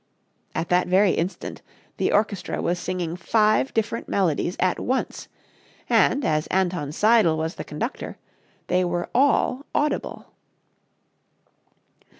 At that very instant the orchestra was singing five different melodies at once; and, as Anton Seidl was the conductor, they were all audible.